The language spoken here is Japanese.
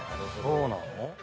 そうなの？